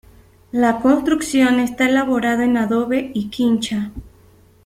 La construcción esta elaborado en adobe y quincha.